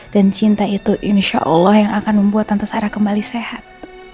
dan cinta itu insya allah yang akan membuat tante sarah kembali sehat